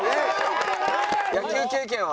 野球経験は？